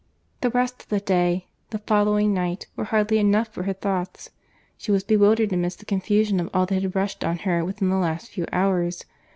The rest of the day, the following night, were hardly enough for her thoughts.—She was bewildered amidst the confusion of all that had rushed on her within the last few hours.